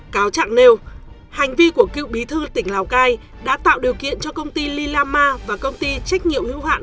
cáo chặng nêu hành vi của cựu bí thư tỉnh lào cai đã tạo điều kiện cho công ty lillama và công ty trách nhiệm hữu hạn